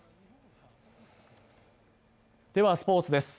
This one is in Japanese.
では、スポーツです。